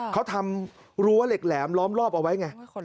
เขาทำรั้วเหล็กแหลมล้อมรอบเอาไว้ไง